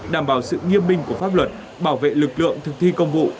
đảm bảo sự nghiêm minh của pháp luật bảo vệ lực lượng thực thi công vụ